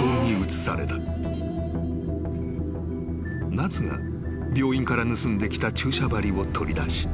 ［奈津が病院から盗んできた注射針を取り出し］